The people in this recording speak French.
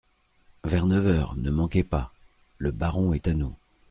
Vers neuf heures, ne manquez pas … Le baron est à nous.